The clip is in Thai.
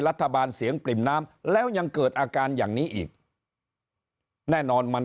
รัฐบาลเสียงปริ่มน้ำแล้วยังเกิดอาการอย่างนี้อีกแน่นอนมัน